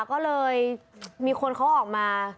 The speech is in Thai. ก็เลยมีคนเขาออกมา